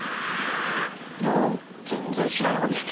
いや全然知らなかったです。